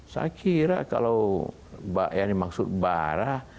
saya kira kalau mbak yani maksud bara